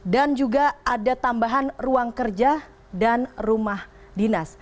dan juga ada tambahan ruang kerja dan rumah dinas